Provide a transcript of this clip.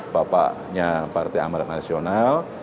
bapaknya partai amret nasional